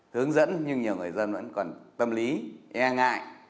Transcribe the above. hướng dẫn nhưng nhiều người dân vẫn còn tâm lý e ngại